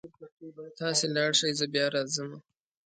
تاسې لاړ شئ زه بیا راځمه